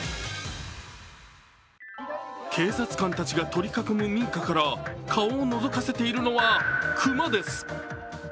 警察官たちが取り囲む民家から顔をのぞかせているのは熊です。